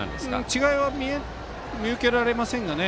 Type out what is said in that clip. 違いは見受けられませんがね。